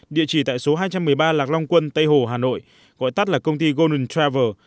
địa chỉ tại số hai trăm một mươi ba lạc long quân tây hồ hà nội gọi tắt là công ty golden travel